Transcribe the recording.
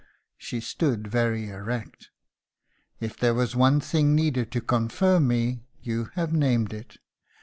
She stood very erect. "If there was one thing needed to confirm me, you have named it.